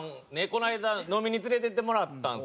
この間飲みに連れていってもらったんですよ。